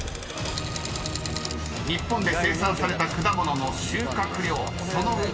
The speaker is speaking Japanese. ［日本で生産された果物の収穫量そのウチワケ］